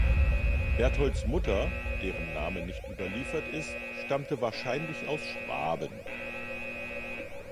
Bertholds Mutter, deren Name nicht überliefert ist, stammte wahrscheinlich aus Schwaben.